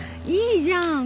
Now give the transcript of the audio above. いいじゃん